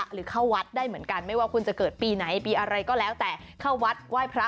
หรือเข้าวัดได้เหมือนกันไม่ว่าคุณจะเกิดปีไหนปีอะไรก็แล้วแต่เข้าวัดไหว้พระ